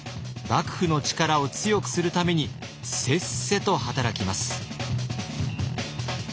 幕府の力を強くするためにせっせと働きます。